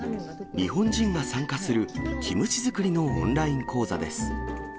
日本人が参加するキムチ作りのオンライン講座です。